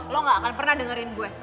lo gak akan pernah dengerin gue